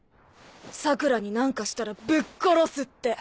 桜良に何かしたらぶっ殺すって。